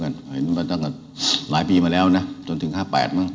ตั้งแต่หลายปีมาแล้วน่ะจนถึงห้าแปดมั้ง